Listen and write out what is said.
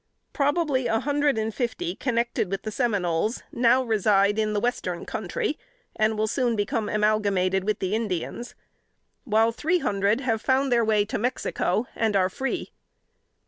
Probably a hundred and fifty connected with the Seminoles now reside in the Western Country, and will soon become amalgamated with the Indians; while three hundred have found their way to Mexico, and are free.